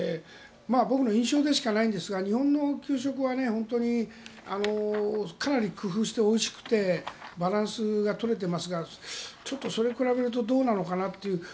僕の印象でしかないんですが日本の給食は本当にかなり工夫しておいしくてバランスが取れていますがちょっとそれに比べるとどうなのかなという。